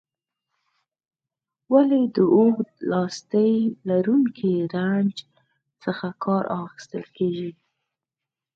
ولې د اوږد لاستي لرونکي رنچ څخه کار اخیستل کیږي؟